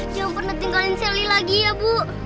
jangan pernah tinggalin sally lagi ya bu